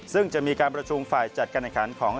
ซึ่งจะมีการประชุมฝ่ายจัดการแข่งขันของ